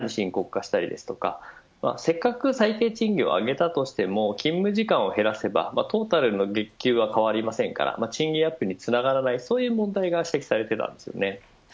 なので、そのために人手不足というのがさらに深刻化したりですとかせっかく最低賃金を上げたとしても勤務時間を減らせばトータルの月給は変わりませんから賃金アップにつながらないそういう問題が指摘されています。